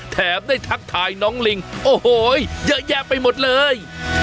แถมได้ทักทายน้องลิงโอ้โหเยอะแยะไปหมดเลย